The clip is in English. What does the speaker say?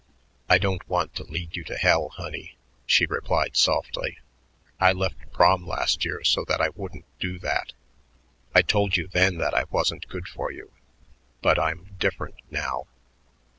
"I don't want to lead you to hell, honey," she replied softly. "I left Prom last year so that I wouldn't do that. I told you then that I wasn't good for you but I'm different now."